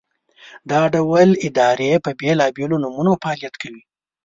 دا ډول ادارې په بېلابېلو نومونو فعالیت کوي.